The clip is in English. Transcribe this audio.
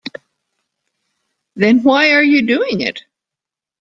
Then why are you doing it?